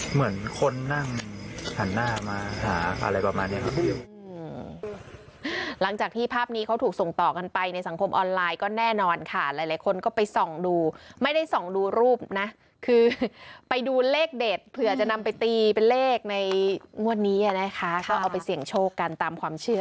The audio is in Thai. เหมือนคนนั่งหันหน้ามาหาอะไรประมาณนี้ครับ